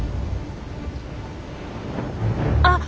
あ！